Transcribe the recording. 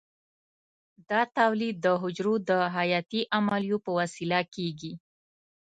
دا تولید د حجرو د حیاتي عملیو په وسیله کېږي.